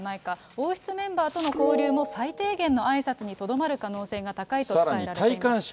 王室メンバーとの交流も、最低限のあいさつにとどまる可能性が高いと伝えられています。